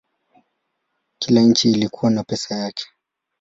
Kila nchi ilikuwa na pesa yake.